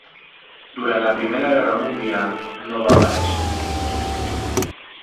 Durant la Primera Guerra Mundial no va parèixer.